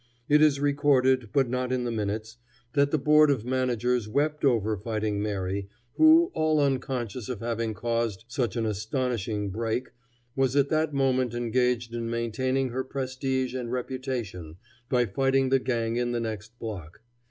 It is recorded, but not in the minutes, that the board of managers wept over Fighting Mary, who, all unconscious of having caused such an astonishing "break," was at that moment engaged in maintaining her prestige and reputation by fighting the gang in the next block.